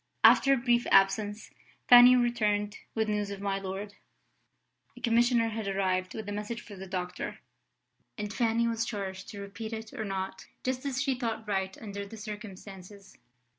After a brief absence, Fanny returned with news of my lord. A commissioner had arrived with a message for the doctor; and Fanny was charged to repeat it or not, just as she thought right under the circumstances.